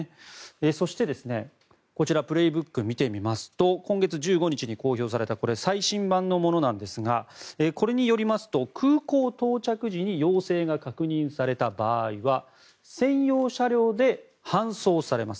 そして、こちら「プレーブック」を見てみますと今月１５日に公表された最新版のものなんですがこれによりますと空港到着時に陽性が確認された場合は専用車両で搬送されます。